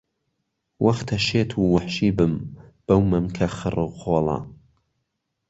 وەختە شێت و وەحشی بم بەو مەمکە خڕ و خۆڵە